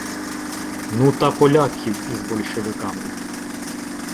— Ну та поляків із большевиками.